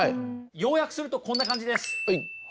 要約するとこんな感じです。